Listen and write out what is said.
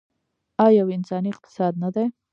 آیا یو انساني اقتصاد نه دی؟